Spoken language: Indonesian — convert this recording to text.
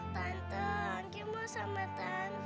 tante anggi mau sama tante